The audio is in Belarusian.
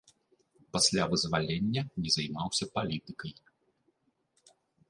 Пасля вызвалення не займаўся палітыкай.